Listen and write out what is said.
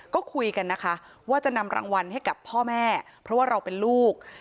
ก็คุยกันนะคะว่าจะนำรางวัลให้กับพ่อแม่เพราะว่าเราเป็นลูก